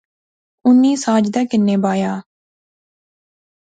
اُنی ساجدے کنے بایا